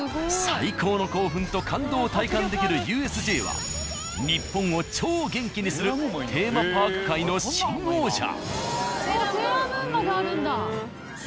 最高の興奮と感動を体感できるＵＳＪは日本を超元気にするテーマパーク界の新王者。